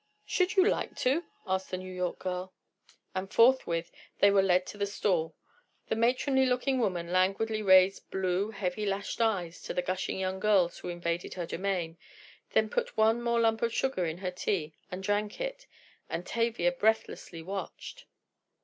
"Should you like to?" asked the New York girl. And forthwith they were led to the stall. The matronly looking woman languidly raised blue, heavy lashed eyes to the gushing young girls who invaded her domain, then put one more lump of sugar in her tea and drank it, and Tavia breathlessly watched!